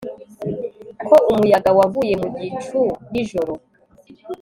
ko umuyaga wavuye mu gicu nijoro